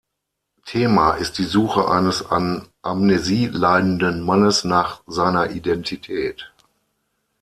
Thema ist die Suche eines an Amnesie leidenden Mannes nach seiner Identität.